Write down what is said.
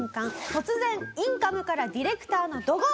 突然インカムからディレクターの怒号。